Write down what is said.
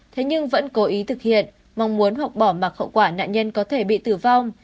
thế nhưng vẫn cố ý thực hiện mong muốn hoặc bỏ mặc hậu quả nạn nhân có thể bị tử vong